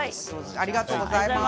ありがとうございます。